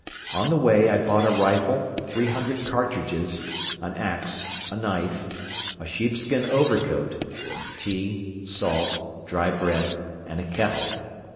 On the way I bought a rifle, three hundred cartridges, an ax, a knife, a sheepskin overcoat, tea, salt, dry bread and a kettle.